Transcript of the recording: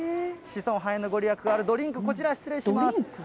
子孫繁栄の御利益があるドリンク、こちら失礼します。